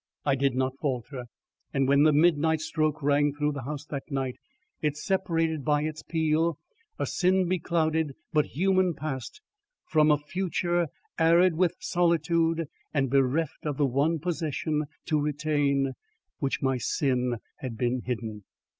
I did not falter; and when the midnight stroke rang through the house that night, it separated by its peal, a sin beclouded but human past from a future arid with solitude and bereft of the one possession to retain which my sin had been hidden.